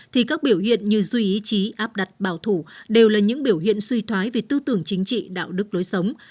thì các biểu hiện như duy ý chí áp đặt bảo thủ đều là những biểu hiện suy thoái về tư tưởng chính trị đạo đức lối sống